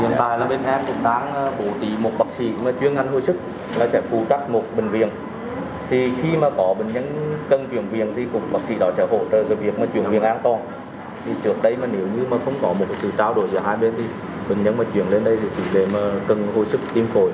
nếu có một sự trao đổi giữa hai bên thì bệnh nhân chuyển lên đây thì chỉ để mà cần hồi sức tiêm khổi